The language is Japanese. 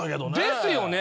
ですよね。